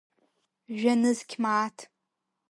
Жәа-нызқь мааҭ!